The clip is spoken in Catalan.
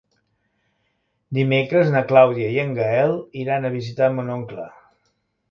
Dimecres na Clàudia i en Gaël iran a visitar mon oncle.